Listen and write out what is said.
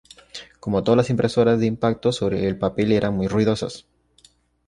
Como todas las impresoras de impacto sobre el papel eran muy ruidosas.